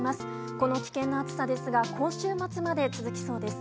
この危険な暑さですが今週末まで続きそうです。